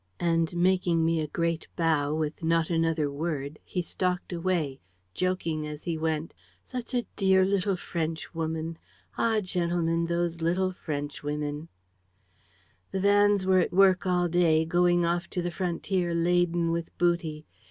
"And, making me a great bow, with not another word, he stalked away, joking as he went: "'Such a dear little Frenchwoman! Ah, gentlemen, those little Frenchwomen! ...'"The vans were at work all day, going off to the frontier laden with booty.